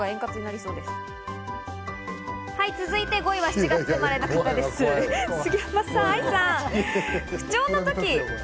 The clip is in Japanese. はい、続いて５位は７月生まれの方です、杉山さん。